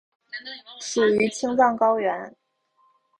属于青藏高原。